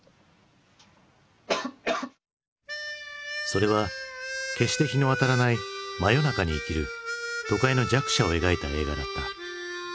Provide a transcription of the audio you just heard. それは決して日の当たらない真夜中に生きる都会の弱者を描いた映画だった。